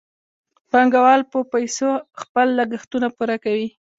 پانګوال په دې پیسو خپل لګښتونه پوره کوي